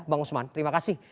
bang usman terima kasih